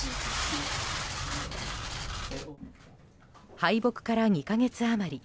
敗北から２か月余り。